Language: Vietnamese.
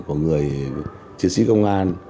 của người công an nhân dân các đơn vị truyền thông ngoài